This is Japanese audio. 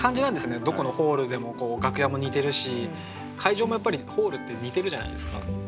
どこのホールでも楽屋も似てるし会場もやっぱりホールって似てるじゃないですか。